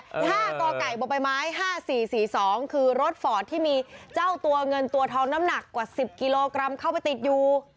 ๕กกบม๕๔๔๒คือรถฝอดที่มีเจ้าตัวเงินตัวท้องน้ำหนักกว่า๑๐กิโลกรัมเข้าไปติดอยู่